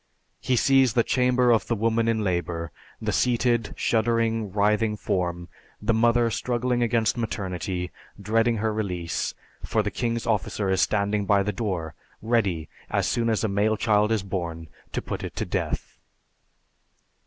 He sees the chamber of the woman in labor, the seated, shuddering, writhing form, the mother struggling against maternity, dreading her release, for the king's officer is standing by the door, ready, as soon as a male child is born, to put it to death.